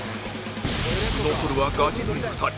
残るはガチ勢２人！